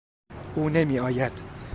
او نمی آید.